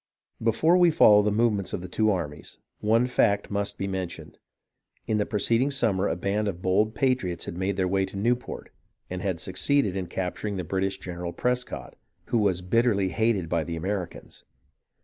Before we follow the movements of the two armies, one fact must be mentioned. In the preceding summer a band of bold patriots had made their way into Newport, and had succeeded in capturing the British general Prescott, who was bitterly hated by the Americans.